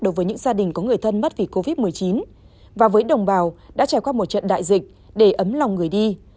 đối với những gia đình có người thân mất vì covid một mươi chín và với đồng bào đã trải qua một trận đại dịch để ấm lòng người đi